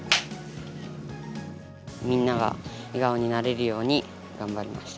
みんなが笑顔になれるように頑張りました。